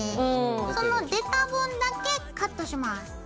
その出た分だけカットします。